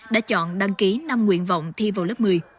đã chọn đăng ký năm nguyện vọng thi vào lớp một mươi